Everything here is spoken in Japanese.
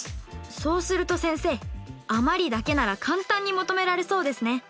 そうすると先生余りだけなら簡単に求められそうですね。